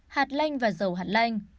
hạt lanh và dầu hạt lanh